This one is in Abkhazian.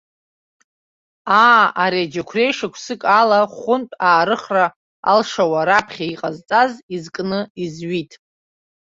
Аа, ари аџьықәреи шықәсык ала хәынтә аарыхра алшауа раԥхьа иҟазҵаз изкны изҩит.